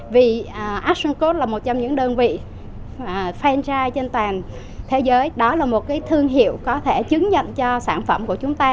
vì action code là một trong những đơn vị franchise trên toàn thế giới đó là một thương hiệu có thể chứng nhận cho sản phẩm của chúng ta